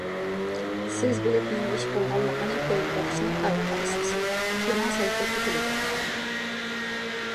سىز بېرىپ نېمە ئىش بولغانلىقىنى كۆرۈپ بېقىشنى قارار قىلىسىز، پۇتلىرىڭىز ھەرىكەتكە كېلىدۇ.